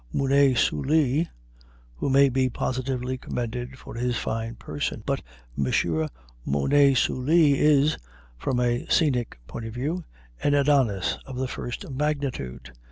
Mounet Sully who may be positively commended for his fine person. But M. Mounet Sully is, from the scenic point of view, an Adonis of the first magnitude.